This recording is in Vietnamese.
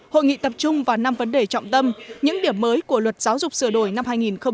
hội nghị tập trung vào năm vấn đề trọng tâm những điểm mới của luật giáo dục sửa đổi năm hai nghìn một mươi tám